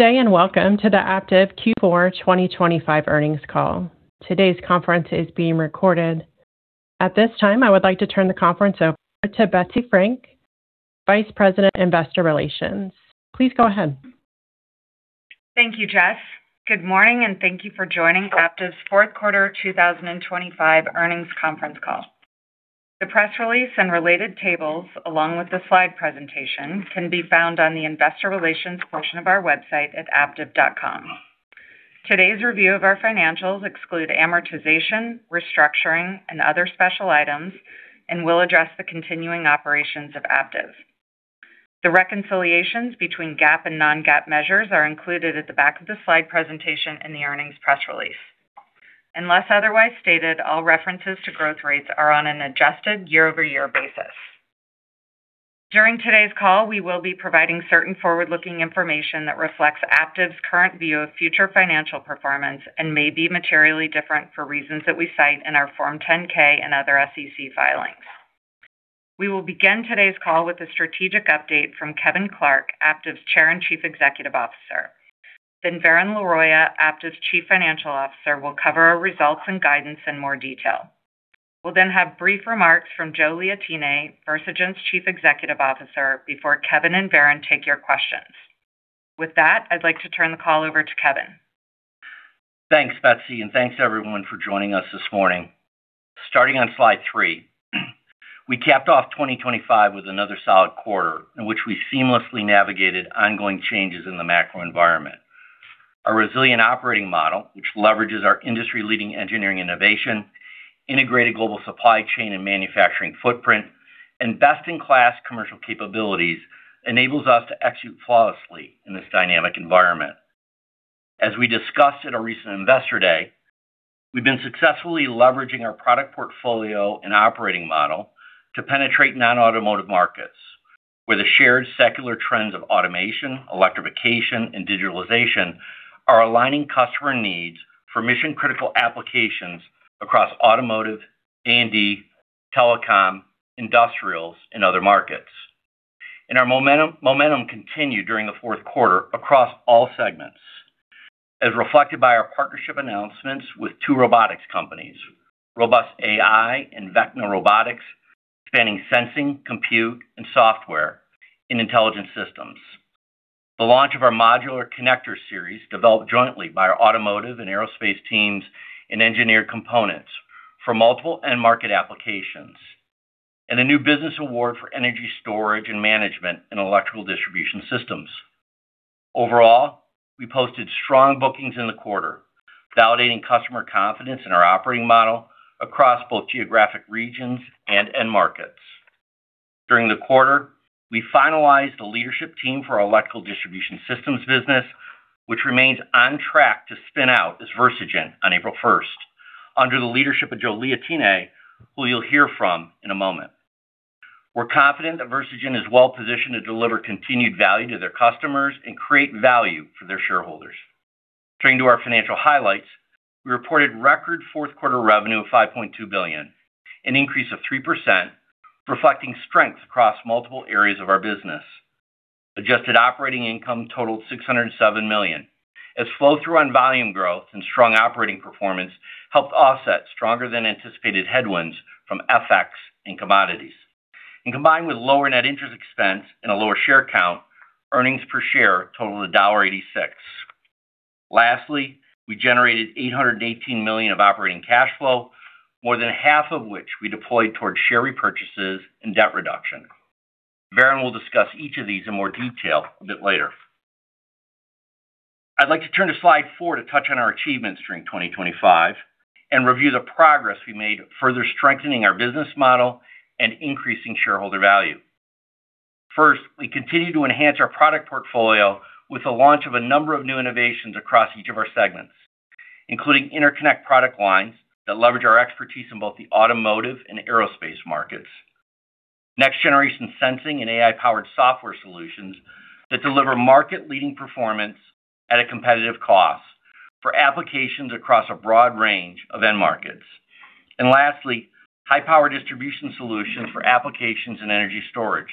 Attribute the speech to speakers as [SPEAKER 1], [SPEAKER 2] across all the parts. [SPEAKER 1] Good day and Welcome to the Aptiv Q4 2025 Earnings Call. Today's conference is being recorded. At this time, I would like to turn the conference over to Betsy Frank, Vice President Investor Relations. Please go ahead.
[SPEAKER 2] Thank you, Jess. Good morning, and thank you for joining Aptiv's Q4 2025 earnings conference call. The press release and related tables, along with the slide presentation, can be found on the Investor Relations portion of our website at aptiv.com. Today's review of our financials excludes amortization, restructuring, and other special items, and will address the continuing operations of Aptiv. The reconciliations between GAAP and non-GAAP measures are included at the back of the slide presentation in the earnings press release. Unless otherwise stated, all references to growth rates are on an adjusted year-over-year basis. During today's call, we will be providing certain forward-looking information that reflects Aptiv's current view of future financial performance and may be materially different for reasons that we cite in our Form 10-K and other SEC filings. We will begin today's call with a strategic update from Kevin Clark, Aptiv's Chair and Chief Executive Officer. Then Varun Laroyia, Aptiv's Chief Financial Officer, will cover our results and guidance in more detail. We'll then have brief remarks from Joe Liotine, Versigent's Chief Executive Officer, before Kevin and Varun take your questions. With that, I'd like to turn the call over to Kevin.
[SPEAKER 3] Thanks, Betsy, and thanks everyone for joining us this morning. Starting on slide three, we capped off 2025 with another solid quarter in which we seamlessly navigated ongoing changes in the macro environment. Our resilient operating model, which leverages our industry-leading engineering innovation, integrated global supply chain and manufacturing footprint, and best-in-class commercial capabilities, enables us to execute flawlessly in this dynamic environment. As we discussed at our recent Investor Day, we've been successfully leveraging our product portfolio and operating model to penetrate non-automotive markets, where the shared secular trends of automation, electrification, and digitalization are aligning customer needs for mission-critical applications across automotive, A&D, telecom, industrials, and other markets. Our momentum continued during the fourth quarter across all segments, as reflected by our partnership announcements with two robotics companies, Robust.AI and Vecna Robotics, spanning sensing, compute, and software in intelligent systems. The launch of our modular connector series, developed jointly by our automotive and aerospace teams and Engineered Components for multiple end-market applications, and a new business award for energy storage and management in electrical distribution systems. Overall, we posted strong bookings in the quarter, validating customer confidence in our operating model across both geographic regions and end markets. During the quarter, we finalized a leadership team for our electrical distribution systems business, which remains on track to spin out as Versigent on April 1st, under the leadership of Joe Liotine, who you'll hear from in a moment. We're confident that Versigent is well-positioned to deliver continued value to their customers and create value for their shareholders. Turning to our financial highlights, we reported record fourth-quarter revenue of $5.2 billion, an increase of 3%, reflecting strength across multiple areas of our business. Adjusted Operating Income totaled $607 million, as flow-through and volume growth and strong operating performance helped offset stronger-than-anticipated headwinds from FX and commodities. Combined with lower net interest expense and a lower share count, earnings per share totaled $1.86. Lastly, we generated $818 million of operating cash flow, more than half of which we deployed toward share repurchases and debt reduction. Varun will discuss each of these in more detail a bit later. I'd like to turn to slide four to touch on our achievements during 2025 and review the progress we made further strengthening our business model and increasing shareholder value. First, we continue to enhance our product portfolio with the launch of a number of new innovations across each of our segments, including interconnect product lines that leverage our expertise in both the automotive and aerospace markets, next-generation sensing and AI-powered software solutions that deliver market-leading performance at a competitive cost for applications across a broad range of end markets, and lastly, high-power distribution solutions for applications in energy storage.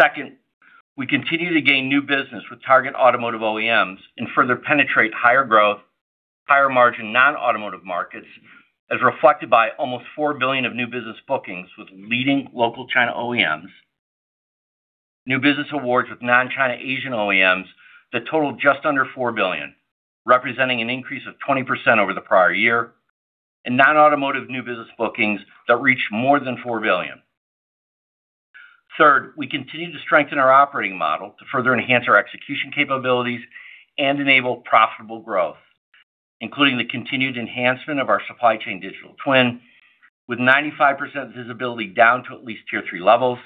[SPEAKER 3] Second, we continue to gain new business with target automotive OEMs and further penetrate higher-growth, higher-margin non-automotive markets, as reflected by almost $4 billion of new business bookings with leading local China OEMs, new business awards with non-China Asian OEMs that totaled just under $4 billion, representing an increase of 20% over the prior year, and non-automotive new business bookings that reached more than $4 billion. Third, we continue to strengthen our operating model to further enhance our execution capabilities and enable profitable growth, including the continued enhancement of our supply chain digital twin with 95% visibility down to at least Tier 3 levels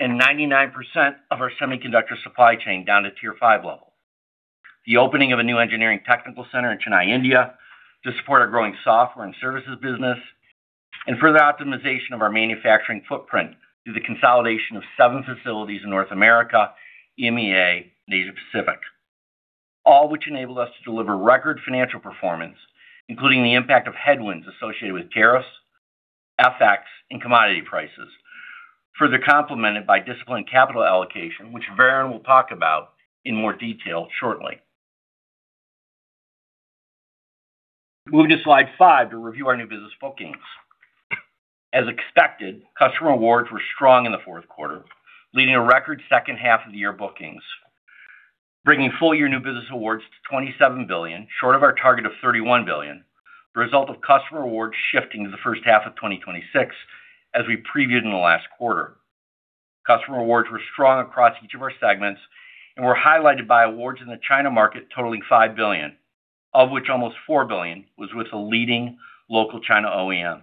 [SPEAKER 3] and 99% of our semiconductor supply chain down to Tier 5 level, the opening of a new engineering technical center in Chennai, India, to support our growing software and services business, and further optimization of our manufacturing footprint through the consolidation of 7 facilities in North America, EMEA, and Asia-Pacific, all which enabled us to deliver record financial performance, including the impact of headwinds associated with tariffs, FX, and commodity prices, further complemented by disciplined capital allocation, which Varun will talk about in more detail shortly. Moving to slide five to review our new business bookings. As expected, customer awards were strong in the fourth quarter, leading a record second half of the year bookings, bringing full-year new business awards to $27 billion, short of our target of $31 billion, a result of customer awards shifting to the first half of 2026 as we previewed in the last quarter. Customer awards were strong across each of our segments and were highlighted by awards in the China market totaling $5 billion, of which almost $4 billion was with the leading local China OEMs,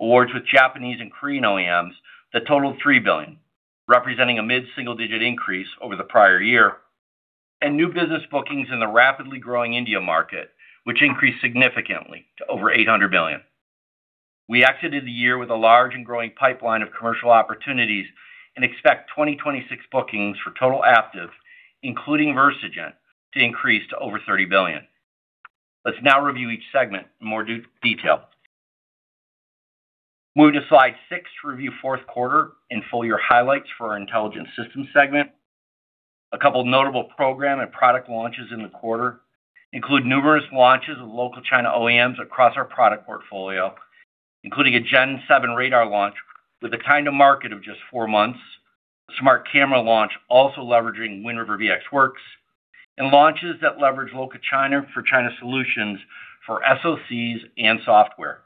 [SPEAKER 3] awards with Japanese and Korean OEMs that totaled $3 billion, representing a mid-single-digit increase over the prior year, and new business bookings in the rapidly growing India market, which increased significantly to over $800 million. We exited the year with a large and growing pipeline of commercial opportunities and expect 2026 bookings for total Aptiv, including Versigent, to increase to over $30 billion. Let's now review each segment in more detail. Moving to slide six to review fourth quarter and full-year highlights for our intelligent systems segment. A couple of notable program and product launches in the quarter include numerous launches of local China OEMs across our product portfolio, including a Gen 7 radar launch with a time-to-market of just 4 months, a smart camera launch also leveraging Wind River VxWorks, and launches that leverage local China for China solutions for SOCs and software.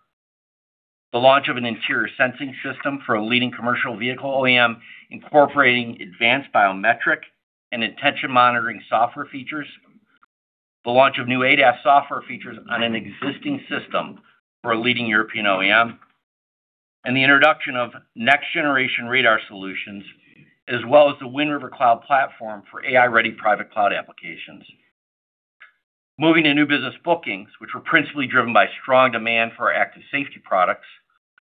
[SPEAKER 3] The launch of an interior sensing system for a leading commercial vehicle OEM incorporating advanced biometric and attention monitoring software features, the launch of new ADAS software features on an existing system for a leading European OEM, and the introduction of next-generation radar solutions, as well as the Wind River Cloud Platform for AI-ready private cloud applications. Moving to new business bookings, which were principally driven by strong demand for our active safety products,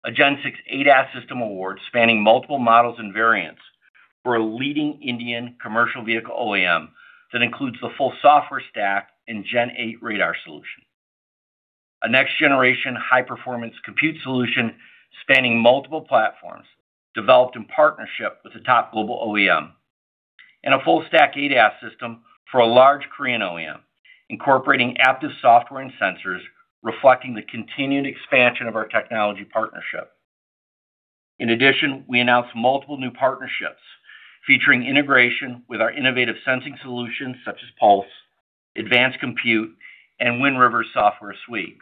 [SPEAKER 3] a Gen 6 ADAS system award spanning multiple models and variants for a leading Indian commercial vehicle OEM that includes the full software stack and Gen 8 radar solution, a next-generation high-performance compute solution spanning multiple platforms developed in partnership with a top global OEM, and a full-stack ADAS system for a large Korean OEM incorporating Aptiv software and sensors reflecting the continued expansion of our technology partnership. In addition, we announced multiple new partnerships featuring integration with our innovative sensing solutions such as Pulse, Advanced Compute, and Wind River's software suite,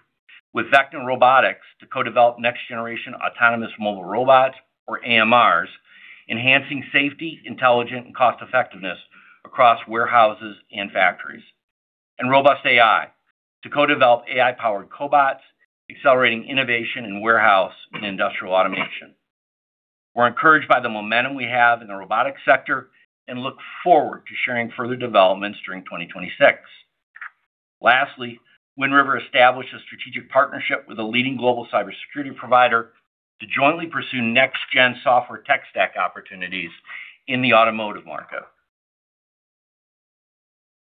[SPEAKER 3] with Vecna Robotics to co-develop next-generation autonomous mobile robots, or AMRs, enhancing safety, intelligence, and cost-effectiveness across warehouses and factories, and Robust.AI to co-develop AI-powered cobots accelerating innovation in warehouse and industrial automation. We're encouraged by the momentum we have in the robotics sector and look forward to sharing further developments during 2026. Lastly, Wind River established a strategic partnership with a leading global cybersecurity provider to jointly pursue next-gen software tech stack opportunities in the automotive market.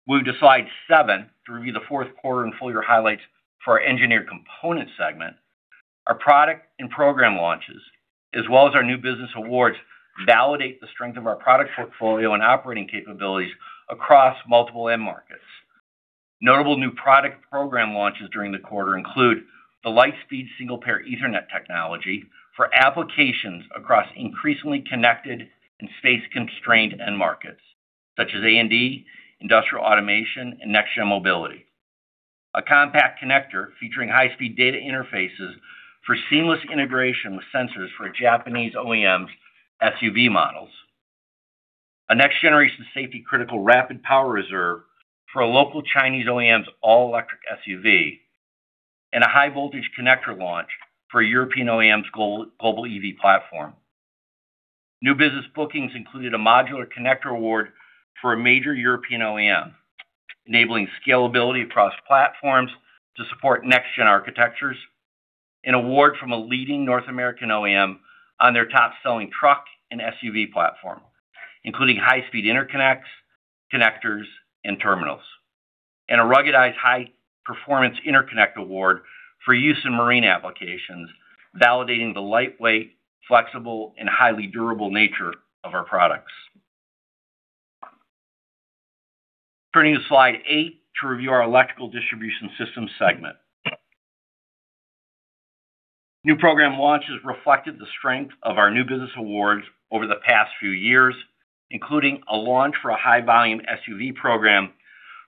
[SPEAKER 3] Moving to slide seven to review the fourth quarter and full-year highlights for our Engineered Components segment. Our product and program launches, as well as our new business awards, validate the strength of our product portfolio and operating capabilities across multiple end markets. Notable new product program launches during the quarter include the LightSpeed single pair Ethernet technology for applications across increasingly connected and space-constrained end markets such as A&D, industrial automation, and next-gen mobility, a compact connector featuring high-speed data interfaces for seamless integration with sensors for Japanese OEMs' SUV models, a next-generation safety-critical rapid power reserve for a local Chinese OEM's all-electric SUV, and a high-voltage connector launch for a European OEM's global EV platform. New business bookings included a modular connector award for a major European OEM, enabling scalability across platforms to support next-gen architectures, an award from a leading North American OEM on their top-selling truck and SUV platform, including high-speed interconnects, connectors, and terminals, and a ruggedized high-performance interconnect award for use in marine applications, validating the lightweight, flexible, and highly durable nature of our products. Turning to slide eight to review our Electrical Distribution Systems segment. New program launches reflected the strength of our new business awards over the past few years, including a launch for a high-volume SUV program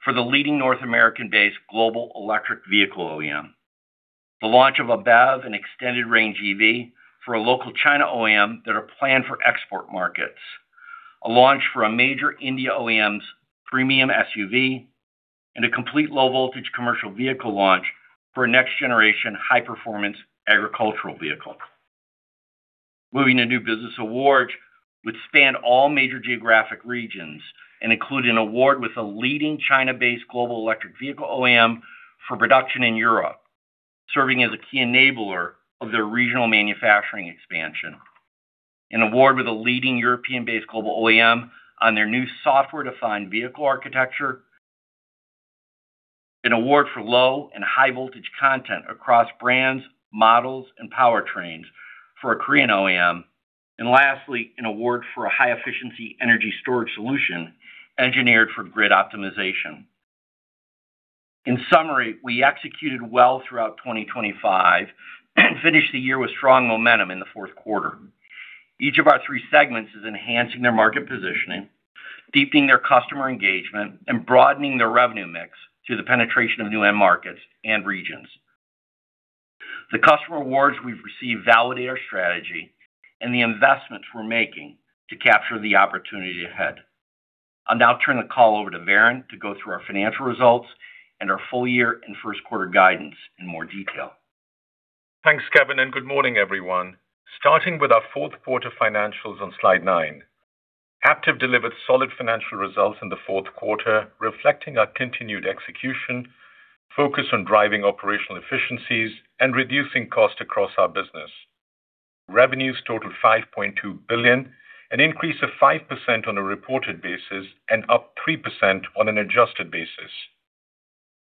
[SPEAKER 3] for the leading North American-based global electric vehicle OEM, the launch of a BEV and extended-range EV for a local China OEM that are planned for export markets, a launch for a major India OEM's premium SUV, and a complete low-voltage commercial vehicle launch for a next-generation high-performance agricultural vehicle. Moving to new business awards would span all major geographic regions and include an award with a leading China-based global electric vehicle OEM for production in Europe serving as a key enabler of their regional manufacturing expansion, an award with a leading European-based global OEM on their new software-defined vehicle architecture, an award for low and high-voltage content across brands, models, and powertrains for a Korean OEM And lastly, an award for a high-efficiency energy storage solution engineered for grid optimization. In summary, we executed well throughout 2025 and finished the year with strong momentum in the fourth quarter. Each of our three segments is enhancing their market positioning, deepening their customer engagement, and broadening their revenue mix through the penetration of new end markets and regions. The customer awards we've received validate our strategy and the investments we're making to capture the opportunity ahead. I'll now turn the call over to Varun to go through our financial results and our full-year and first-quarter guidance in more detail.
[SPEAKER 4] Thanks, Kevin, and good morning, everyone. Starting with our fourth quarter financials on slide nine, Aptiv delivered solid financial results in the fourth quarter, reflecting our continued execution, focus on driving operational efficiencies, and reducing cost across our business. Revenues totaled $5.2 billion, an increase of 5% on a reported basis and up 3% on an adjusted basis.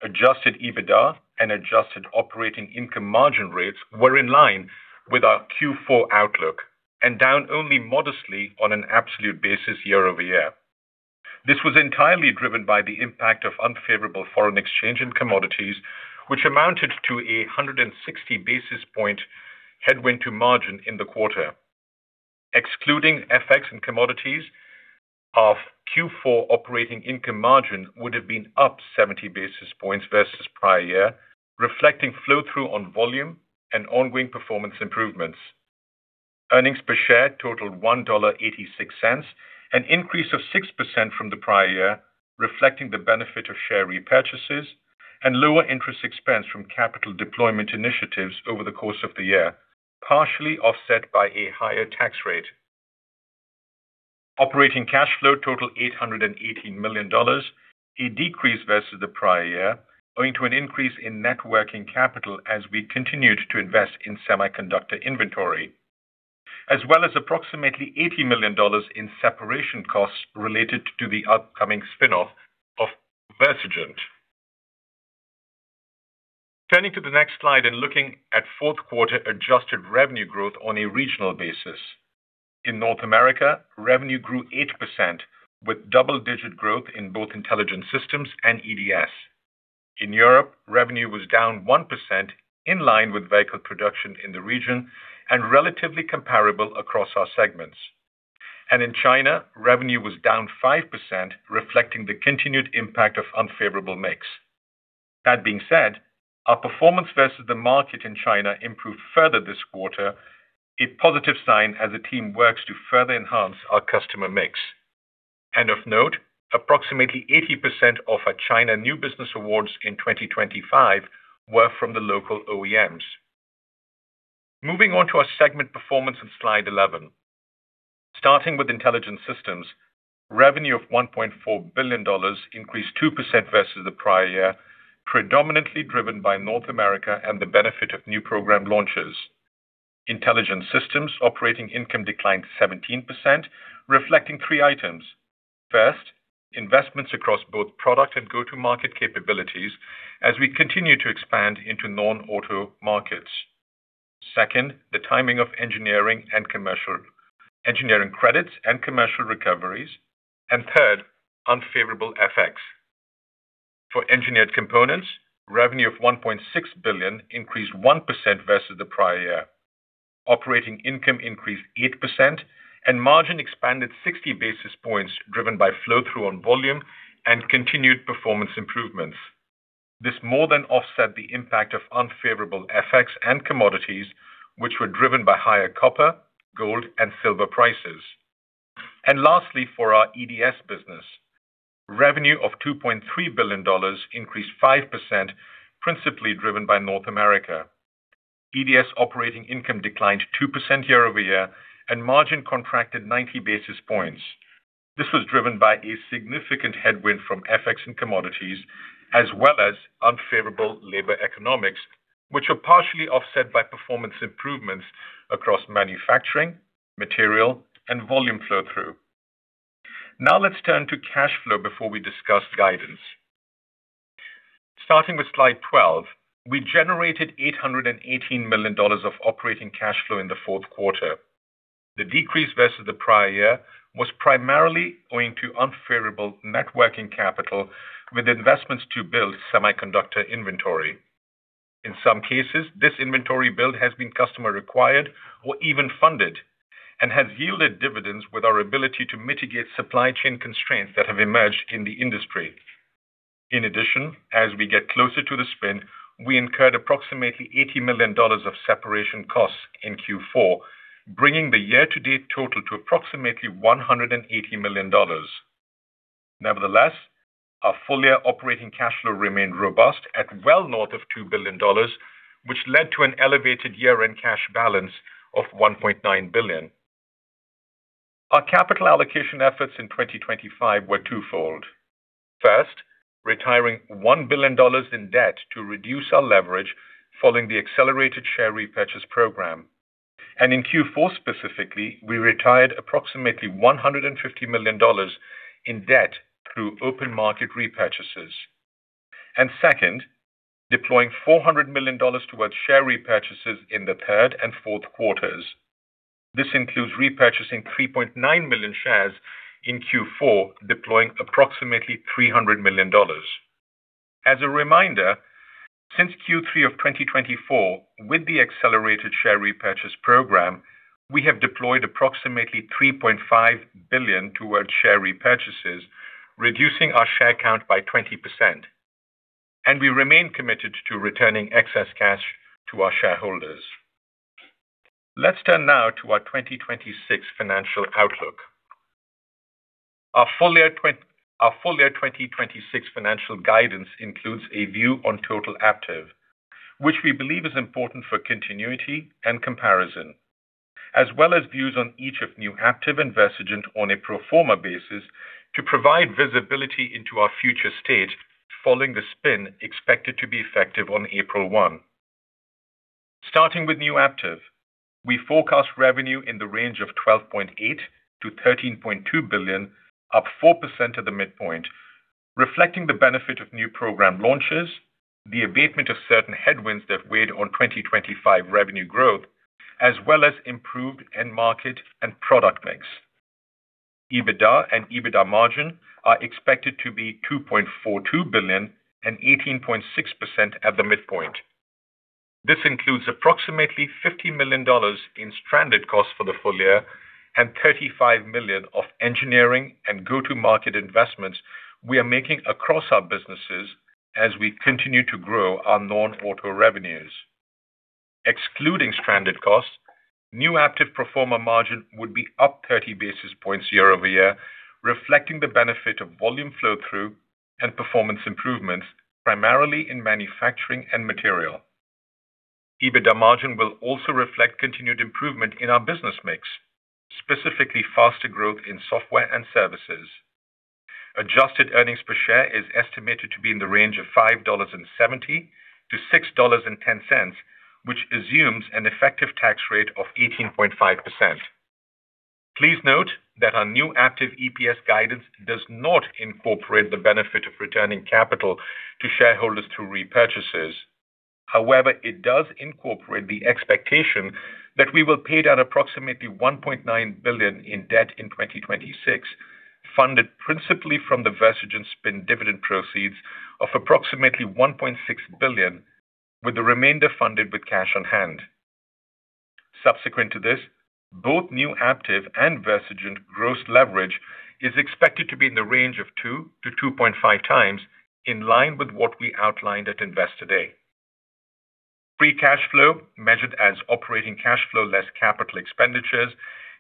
[SPEAKER 4] Adjusted EBITDA and adjusted operating income margin rates were in line with our Q4 outlook and down only modestly on an absolute basis year-over-year. This was entirely driven by the impact of unfavorable foreign exchange and commodities, which amounted to a 160 basis point headwind to margin in the quarter. Excluding FX and commodities, our Q4 operating income margin would have been up 70 basis points versus prior year, reflecting flow-through on volume and ongoing performance improvements. Earnings per share totaled $1.86, an increase of 6% from the prior year, reflecting the benefit of share repurchases and lower interest expense from capital deployment initiatives over the course of the year, partially offset by a higher tax rate. Operating cash flow totaled $818 million, a decrease versus the prior year, owing to an increase in net working capital as we continued to invest in semiconductor inventory, as well as approximately $80 million in separation costs related to the upcoming spinoff of Versigent. Turning to the next slide and looking at fourth quarter adjusted revenue growth on a regional basis. In North America, revenue grew 8% with double-digit growth in both Intelligent Systems and EDS. In Europe, revenue was down 1% in line with vehicle production in the region and relatively comparable across our segments. In China, revenue was down 5%, reflecting the continued impact of unfavorable mix. That being said, our performance versus the market in China improved further this quarter, a positive sign as a team works to further enhance our customer mix. Of note, approximately 80% of our China new business awards in 2025 were from the local OEMs. Moving on to our segment performance on slide 11. Starting with Intelligent Systems, revenue of $1.4 billion increased 2% versus the prior year, predominantly driven by North America and the benefit of new program launches. Intelligent Systems operating income declined 17%, reflecting three items. First, investments across both product and go-to-market capabilities as we continue to expand into non-auto markets. Second, the timing of engineering and commercial engineering credits and commercial recoveries. Third, unfavorable FX. For Engineered Components, revenue of $1.6 billion increased 1% versus the prior year. Operating income increased 8%, and margin expanded 60 basis points driven by flow-through on volume and continued performance improvements. This more than offset the impact of unfavorable FX and commodities, which were driven by higher copper, gold, and silver prices. Lastly, for our EDS business, revenue of $2.3 billion increased 5%, principally driven by North America. EDS operating income declined 2% year-over-year, and margin contracted 90 basis points. This was driven by a significant headwind from FX and commodities, as well as unfavorable labor economics, which were partially offset by performance improvements across manufacturing, material, and volume flow-through. Now let's turn to cash flow before we discuss guidance. Starting with slide 12, we generated $818 million of operating cash flow in the fourth quarter. The decrease versus the prior year was primarily owing to unfavorable working capital with investments to build semiconductor inventory. In some cases, this inventory build has been customer-required or even funded and has yielded dividends with our ability to mitigate supply chain constraints that have emerged in the industry. In addition, as we get closer to the spin, we incurred approximately $80 million of separation costs in Q4, bringing the year-to-date total to approximately $180 million. Nevertheless, our full-year operating cash flow remained robust at well north of $2 billion, which led to an elevated year-end cash balance of $1.9 billion. Our capital allocation efforts in 2025 were twofold. First, retiring $1 billion in debt to reduce our leverage following the accelerated share repurchase program. In Q4 specifically, we retired approximately $150 million in debt through open market repurchases. Second, deploying $400 million towards share repurchases in the third and fourth quarters. This includes repurchasing 3.9 million shares in Q4, deploying approximately $300 million. As a reminder, since Q3 of 2024, with the accelerated share repurchase program, we have deployed approximately $3.5 billion towards share repurchases, reducing our share count by 20%. We remain committed to returning excess cash to our shareholders. Let's turn now to our 2026 financial outlook. Our full-year 2026 financial guidance includes a view on total Aptiv, which we believe is important for continuity and comparison, as well as views on each of new Aptiv and Versigent on a pro forma basis to provide visibility into our future state following the spin expected to be effective on April 1. Starting with new Aptiv, we forecast revenue in the range of $12.8-$13.2 billion, up 4% to the midpoint, reflecting the benefit of new program launches, the abatement of certain headwinds that weighed on 2025 revenue growth, as well as improved end market and product mix. EBITDA and EBITDA margin are expected to be $2.42 billion and 18.6% at the midpoint. This includes approximately $50 million in stranded costs for the full year and $35 million of engineering and go-to-market investments we are making across our businesses as we continue to grow our non-auto revenues. Excluding stranded costs, new Aptiv pro forma margin would be up 30 basis points year-over-year, reflecting the benefit of volume flow-through and performance improvements, primarily in manufacturing and material. EBITDA margin will also reflect continued improvement in our business mix, specifically faster growth in software and services. Adjusted earnings per share is estimated to be in the range of $5.70-$6.10, which assumes an effective tax rate of 18.5%. Please note that our new Aptiv EPS guidance does not incorporate the benefit of returning capital to shareholders through repurchases. However, it does incorporate the expectation that we will pay down approximately $1.9 billion in debt in 2026, funded principally from the Versigent spin dividend proceeds of approximately $1.6 billion, with the remainder funded with cash on hand. Subsequent to this, both new Aptiv and Versigent gross leverage is expected to be in the range of 2-2.5 times, in line with what we outlined at Investor Day. Free cash flow, measured as operating cash flow less capital expenditures,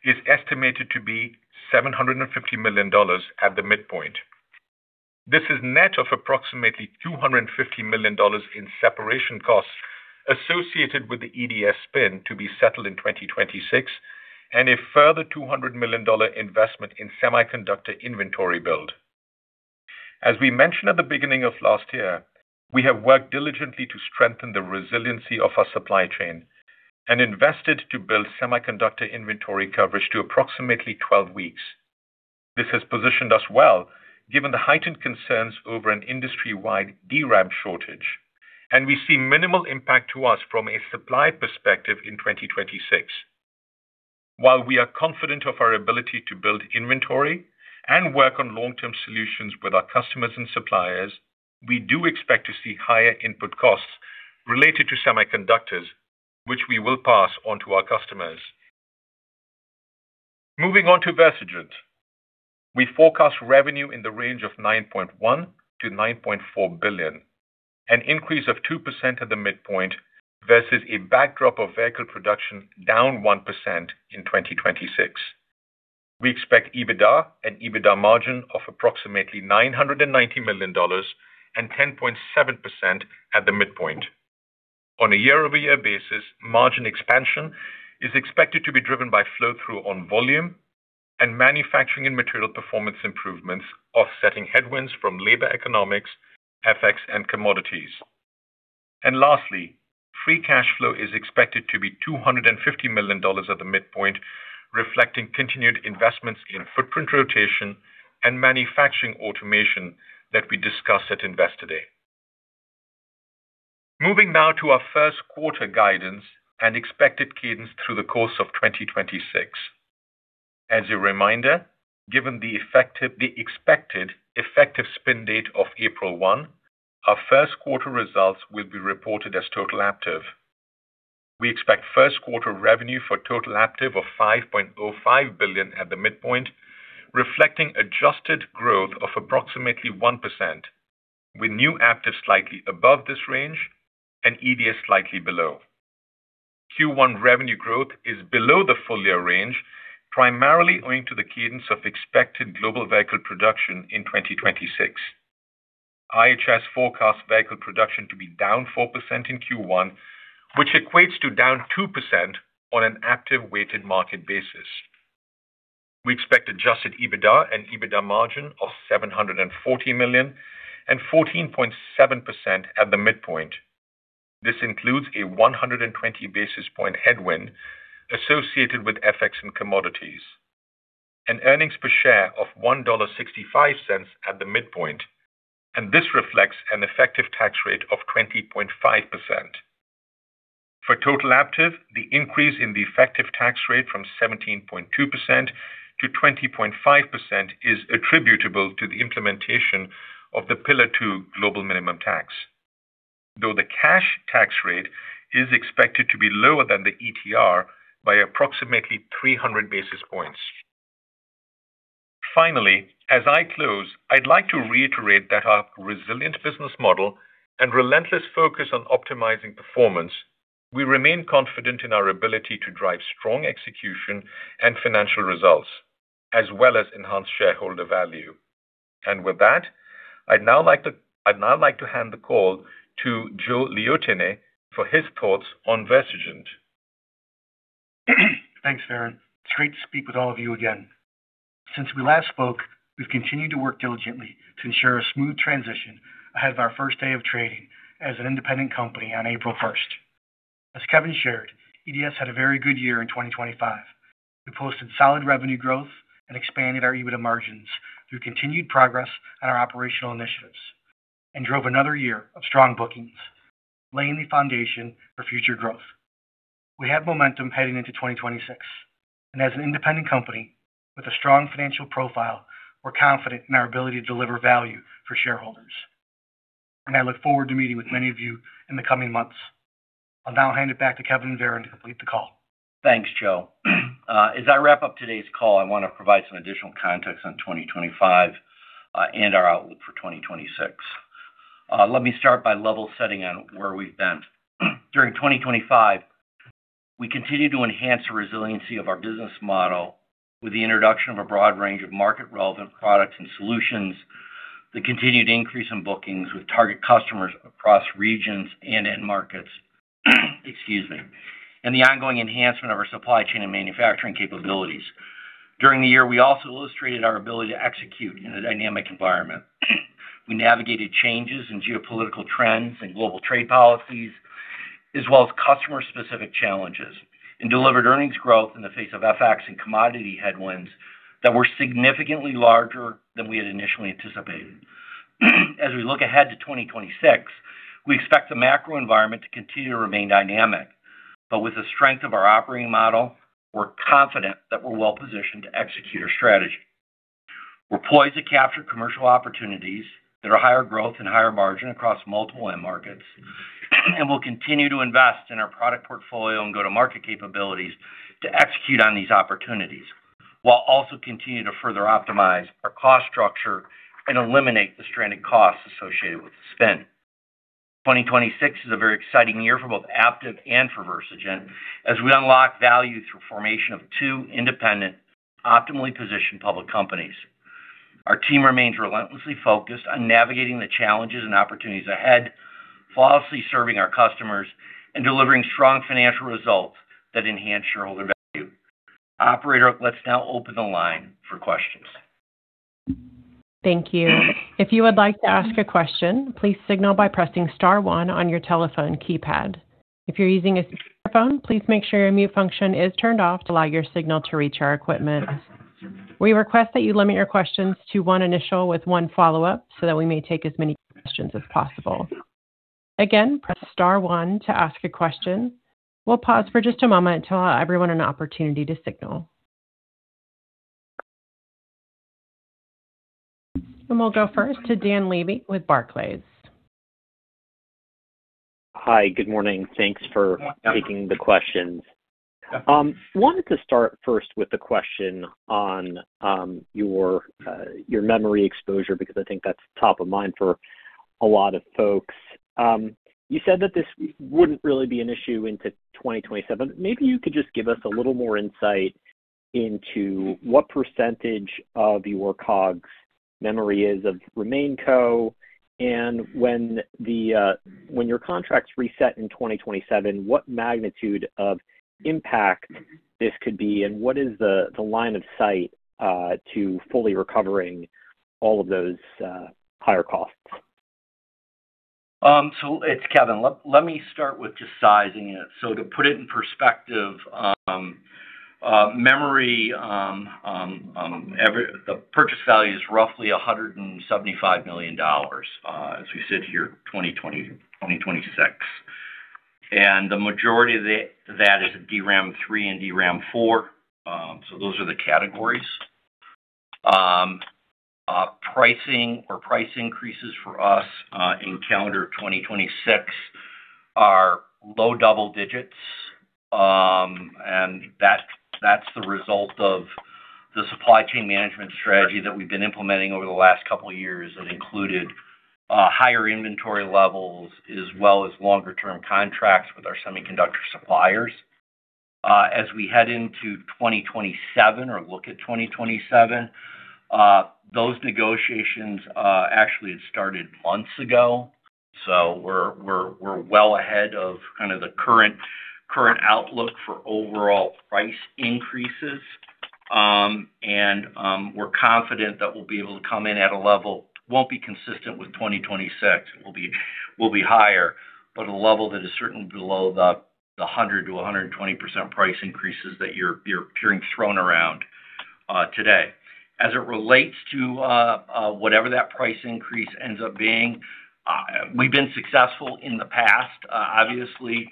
[SPEAKER 4] is estimated to be $750 million at the midpoint. This is net of approximately $250 million in separation costs associated with the EDS spin to be settled in 2026 and a further $200 million investment in semiconductor inventory build. As we mentioned at the beginning of last year, we have worked diligently to strengthen the resiliency of our supply chain and invested to build semiconductor inventory coverage to approximately 12 weeks. This has positioned us well given the heightened concerns over an industry-wide DRAM shortage, and we see minimal impact to us from a supply perspective in 2026. While we are confident of our ability to build inventory and work on long-term solutions with our customers and suppliers, we do expect to see higher input costs related to semiconductors, which we will pass onto our customers. Moving on to Versigent, we forecast revenue in the range of $9.1-$9.4 billion, an increase of 2% at the midpoint versus a backdrop of vehicle production down 1% in 2026. We expect EBITDA and EBITDA margin of approximately $990 million and 10.7% at the midpoint. On a year-over-year basis, margin expansion is expected to be driven by flow-through on volume and manufacturing and material performance improvements, offsetting headwinds from labor economics, FX, and commodities. And lastly, free cash flow is expected to be $250 million at the midpoint, reflecting continued investments in footprint rotation and manufacturing automation that we discussed at Investor Day. Moving now to our first quarter guidance and expected cadence through the course of 2026. As a reminder, given the expected effective spin date of April 1, our first quarter results will be reported as total Aptiv. We expect first quarter revenue for total Aptiv of $5.05 billion at the midpoint, reflecting adjusted growth of approximately 1%, with new Aptiv slightly above this range and EDS slightly below. Q1 revenue growth is below the full-year range, primarily owing to the cadence of expected global vehicle production in 2026. IHS forecasts vehicle production to be down 4% in Q1, which equates to down 2% on an Aptiv weighted market basis. We expect adjusted EBITDA and EBITDA margin of $740 million and 14.7% at the midpoint. This includes a 120 basis point headwind associated with FX and commodities, an earnings per share of $1.65 at the midpoint, and this reflects an effective tax rate of 20.5%. For total Aptiv, the increase in the effective tax rate from 17.2% to 20.5% is attributable to the implementation of the Pillar 2 global minimum tax, though the cash tax rate is expected to be lower than the ETR by approximately 300 basis points. Finally, as I close, I'd like to reiterate that our resilient business model and relentless focus on optimizing performance, we remain confident in our ability to drive strong execution and financial results, as well as enhance shareholder value. And with that, I'd now like to hand the call to Joe Liotine for his thoughts on Versigent.
[SPEAKER 5] Thanks, Varun. It's great to speak with all of you again. Since we last spoke, we've continued to work diligently to ensure a smooth transition ahead of our first day of trading as an independent company on April 1. As Kevin shared, EDS had a very good year in 2025. We posted solid revenue growth and expanded our EBITDA margins through continued progress on our operational initiatives, and drove another year of strong bookings, laying the foundation for future growth. We have momentum heading into 2026, and as an independent company with a strong financial profile, we're confident in our ability to deliver value for shareholders. I look forward to meeting with many of you in the coming months. I'll now hand it back to Kevin and Varun to complete the call.
[SPEAKER 3] Thanks, Joe. As I wrap up today's call, I want to provide some additional context on 2025 and our outlook for 2026. Let me start by level setting on where we've been. During 2025, we continue to enhance the resiliency of our business model with the introduction of a broad range of market-relevant products and solutions, the continued increase in bookings with target customers across regions and end markets, excuse me, and the ongoing enhancement of our supply chain and manufacturing capabilities. During the year, we also illustrated our ability to execute in a dynamic environment. We navigated changes in geopolitical trends and global trade policies, as well as customer-specific challenges, and delivered earnings growth in the face of FX and commodity headwinds that were significantly larger than we had initially anticipated. As we look ahead to 2026, we expect the macro environment to continue to remain dynamic, but with the strength of our operating model, we're confident that we're well positioned to execute our strategy. We're poised to capture commercial opportunities that are higher growth and higher margin across multiple end markets, and we'll continue to invest in our product portfolio and go-to-market capabilities to execute on these opportunities while also continuing to further optimize our cost structure and eliminate the stranded costs associated with the spin. 2026 is a very exciting year for both Aptiv and for Versigent as we unlock value through formation of two independent, optimally positioned public companies. Our team remains relentlessly focused on navigating the challenges and opportunities ahead, flawlessly serving our customers, and delivering strong financial results that enhance shareholder value. Operator, let's now open the line for questions.
[SPEAKER 1] Thank you. If you would like to ask a question, please signal by pressing star 1 on your telephone keypad. If you're using a speakerphone, please make sure your mute function is turned off to allow your signal to reach our equipment. We request that you limit your questions to one initial with one follow-up so that we may take as many questions as possible. Again, press star 1 to ask a question. We'll pause for just a moment to allow everyone an opportunity to signal. And we'll go first to Dan Levy with Barclays.
[SPEAKER 6] Hi, good morning. Thanks for taking the questions. I wanted to start first with a question on your memory exposure because I think that's top of mind for a lot of folks. You said that this wouldn't really be an issue into 2027. Maybe you could just give us a little more insight into what percentage of your COGS memory is of RemainCo, and when your contract's reset in 2027, what magnitude of impact this could be, and what is the line of sight to fully recovering all of those higher costs?
[SPEAKER 3] So it's Kevin. Let me start with just sizing it. So to put it in perspective, the purchase value is roughly $175 million as we sit here, 2026. And the majority of that is DRAM 3 and DRAM 4. So those are the categories. Pricing or price increases for us in calendar 2026 are low double digits, and that's the result of the supply chain management strategy that we've been implementing over the last couple of years that included higher inventory levels as well as longer-term contracts with our semiconductor suppliers. As we head into 2027 or look at 2027, those negotiations actually had started months ago. So we're well ahead of kind of the current outlook for overall price increases. And we're confident that we'll be able to come in at a level that won't be consistent with 2026. It will be higher, but at a level that is certainly below the 100%-120% price increases that you're hearing thrown around today. As it relates to whatever that price increase ends up being, we've been successful in the past, obviously,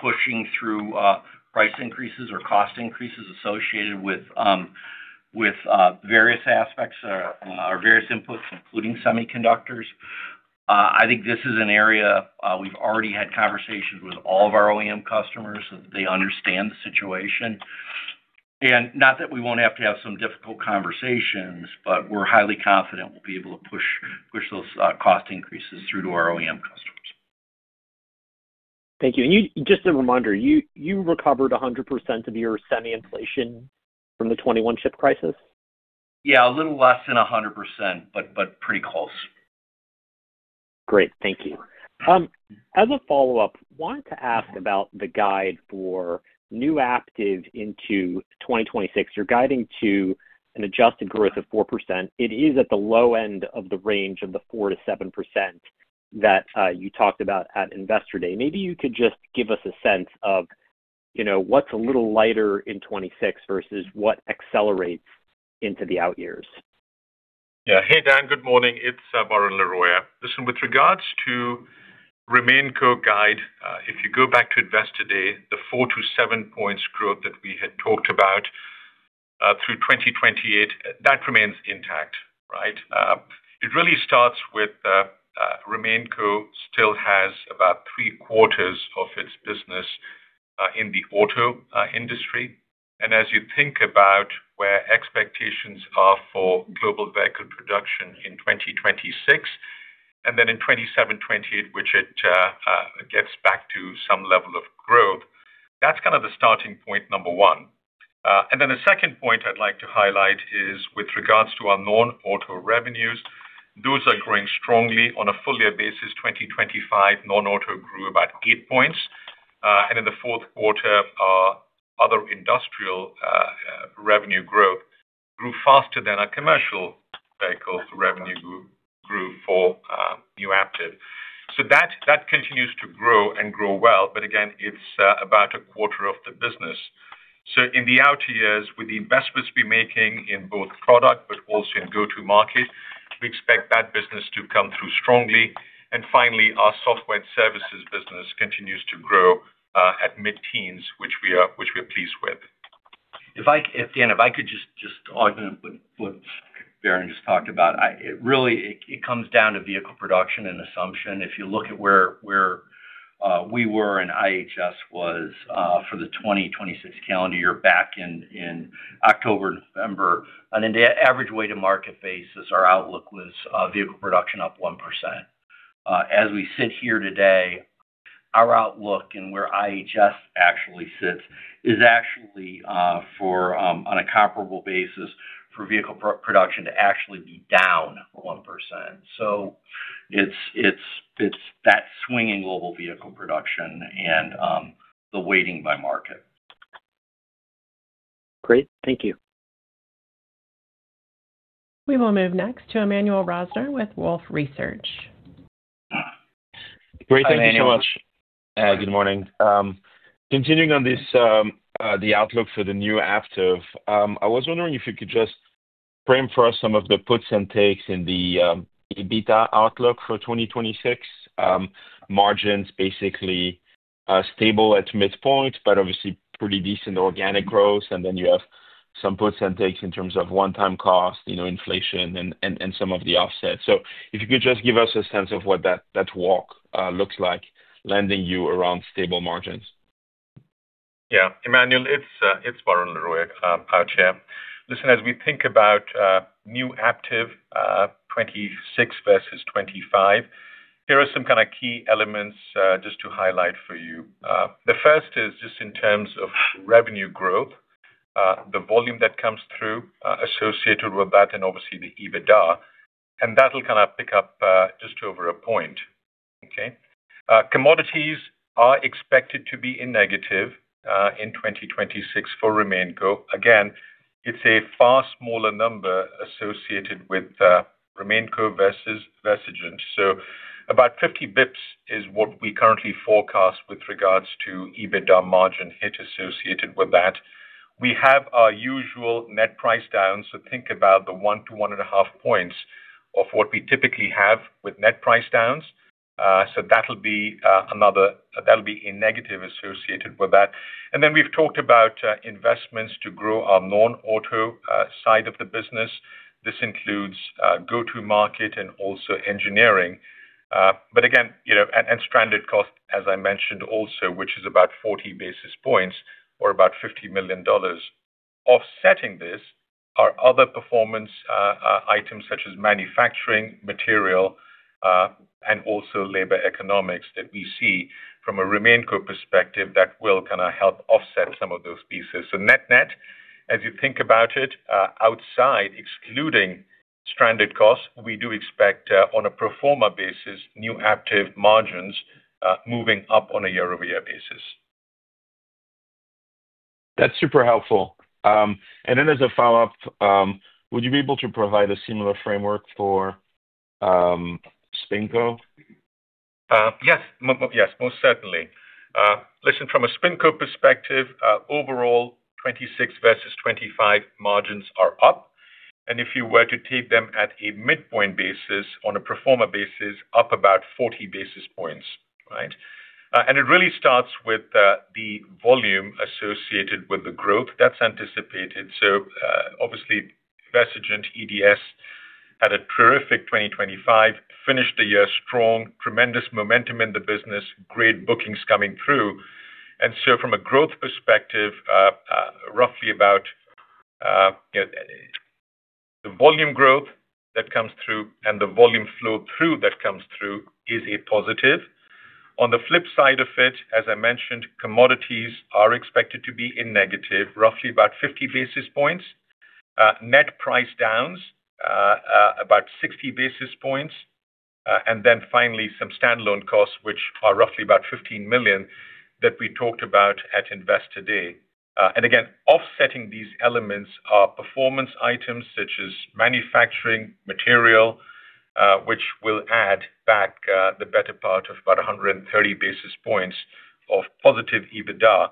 [SPEAKER 3] pushing through price increases or cost increases associated with various aspects or various inputs, including semiconductors. I think this is an area we've already had conversations with all of our OEM customers so that they understand the situation. And not that we won't have to have some difficult conversations, but we're highly confident we'll be able to push those cost increases through to our OEM customers.
[SPEAKER 6] Thank you. Just a reminder, you recovered 100% of your semi-inflation from the 2021 chip crisis?
[SPEAKER 3] Yeah, a little less than 100%, but pretty close.
[SPEAKER 6] Great. Thank you. As a follow-up, I wanted to ask about the guide for new Aptiv into 2026. You're guiding to an adjusted growth of 4%. It is at the low end of the range of the 4%-7% that you talked about at Investor Day. Maybe you could just give us a sense of what's a little lighter in 2026 versus what accelerates into the out-years.
[SPEAKER 4] Yeah. Hey, Dan. Good morning. It's Varun Laroyia. Listen, with regards to RemainCo guide, if you go back to Investor Day, the 4-7 points growth that we had talked about through 2028, that remains intact, right? It really starts with RemainCo still has about three-quarters of its business in the auto industry. And as you think about where expectations are for global vehicle production in 2026, and then in 27, 28, which it gets back to some level of growth, that's kind of the starting point, number one. And then the second point I'd like to highlight is with regards to our non-auto revenues, those are growing strongly. On a full-year basis, 2025, non-auto grew about 8 points. And in the fourth quarter, our other industrial revenue growth grew faster than our commercial vehicle revenue grew for new Aptiv. So that continues to grow and grow well, but again, it's about a quarter of the business. So in the out-years, with the investments we're making in both product but also in go-to-market, we expect that business to come through strongly. And finally, our software and services business continues to grow at mid-teens, which we are pleased with.
[SPEAKER 3] Dan, if I could just argue with what Varun just talked about, it comes down to vehicle production and assumption. If you look at where we were and IHS was for the 2026 calendar year back in October and November, on an average weighted market basis, our outlook was vehicle production up 1%. As we sit here today, our outlook and where IHS actually sits is actually on a comparable basis for vehicle production to actually be down 1%. So it's that swinging global vehicle production and the weighting by market.
[SPEAKER 6] Great. Thank you.
[SPEAKER 1] We will move next to Emmanuel Rosner with Wolfe Research.
[SPEAKER 7] Great. Thank you so much. Good morning. Continuing on the outlook for the new Aptiv, I was wondering if you could just frame for us some of the puts and takes in the EBITDA outlook for 2026. Margins basically stable at midpoint, but obviously pretty decent organic growth. And then you have some puts and takes in terms of one-time cost, inflation, and some of the offset. So if you could just give us a sense of what that walk looks like, landing you around stable margins.
[SPEAKER 4] Yeah. Emmanuel, it's Varun Laroyia, our chair. Listen, as we think about new Aptiv 2026 versus 2025, here are some kind of key elements just to highlight for you. The first is just in terms of revenue growth, the volume that comes through associated with that, and obviously the EBITDA. That'll kind of pick up just over a point, okay? Commodities are expected to be in negative in 2026 for RemainCo. Again, it's a far smaller number associated with RemainCo versus VersaGen. So about 50 basis points is what we currently forecast with regards to EBITDA margin hit associated with that. We have our usual net price down. So think about the 1-1.5 points of what we typically have with net price downs. So that'll be another that'll be in negative associated with that. And then we've talked about investments to grow our non-auto side of the business. This includes go-to-market and also engineering. But again, stranded costs, as I mentioned also, which is about 40 basis points or about $50 million. Offsetting this are other performance items such as manufacturing, material, and also labor economics that we see from a RemainCo perspective that will kind of help offset some of those pieces. So net-net, as you think about it, outside, excluding stranded costs, we do expect on a performance basis, Aptiv margins moving up on a year-over-year basis.
[SPEAKER 7] That's super helpful. And then as a follow-up, would you be able to provide a similar framework for SpinCo?
[SPEAKER 4] Yes. Yes, most certainly. Listen, from a SpinCo perspective, overall, 2026 versus 2025 margins are up. And if you were to take them at a midpoint basis, on a performer basis, up about 40 basis points, right? And it really starts with the volume associated with the growth that's anticipated. So obviously, VersaGen, EDS, had a terrific 2025, finished the year strong, tremendous momentum in the business, great bookings coming through. And so from a growth perspective, roughly about the volume growth that comes through and the volume flow through that comes through is a positive. On the flip side of it, as I mentioned, commodities are expected to be in negative, roughly about 50 basis points, net price downs about 60 basis points, and then finally some standalone costs, which are roughly about $15 million that we talked about at Investor Day. Again, offsetting these elements are performance items such as manufacturing, material, which will add back the better part of about 130 basis points of positive EBITDA.